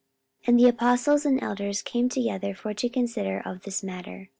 44:015:006 And the apostles and elders came together for to consider of this matter.